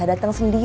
aku mau pergi